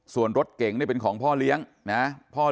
ส่วนรถเก่งเนี่ยเป็นของพ่อเลี้ยงนะ